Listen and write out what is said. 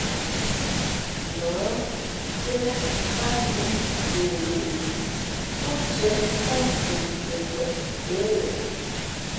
Ngα̌ céh mbát njūʼ nkwe ghə yi pó tiē ntám nsienkěngweʼ bê le.